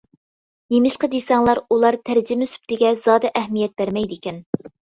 نېمىشقا دېسەڭلار ئۇلار تەرجىمە سۈپىتىگە زادى ئەھمىيەت بەرمەيدىكەن.